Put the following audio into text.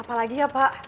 apa lagi ya pak